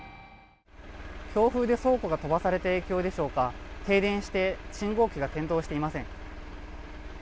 強風で倉庫が飛ばされた影響でしょうか、停電して信号機が点灯していません。